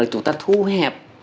chúng ta thu hẹp